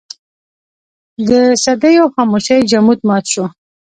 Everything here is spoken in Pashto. د صدېو خاموشۍ جمود مات شو.